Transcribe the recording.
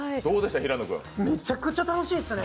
めちゃくちゃ楽しいっすね。